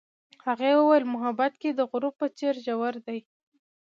هغې وویل محبت یې د غروب په څېر ژور دی.